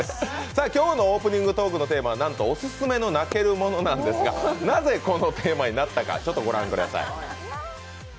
今日のオープニングトークのテーマはオススメの泣けるものなんですがなぜ、このテーマになったか、御覧ください。